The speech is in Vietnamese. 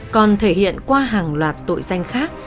còn thể hiện qua hàng loạt tội danh khác